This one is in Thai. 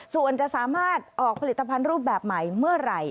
ส่วนจะสามารถออกผลิตภัณฑ์รูปแบบใหม่เมื่อไหร่